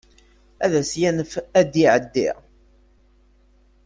Ad as-yanef ad iɛeddi.